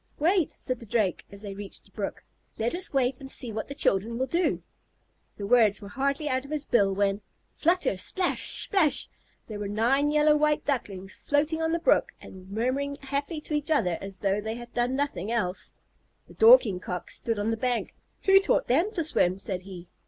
"Wait," said the Drake, as they reached the brook. "Let us wait and see what the children will do." The words were hardly out of his bill when flutter splash splash! there were nine yellow white Ducklings floating on the brook and murmuring happily to each other as though they had never done anything else. The Dorking Cock stood on the bank. "Who taught them to swim?" said he.